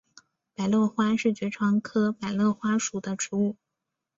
百簕花是爵床科百簕花属的植物。